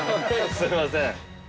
すいません。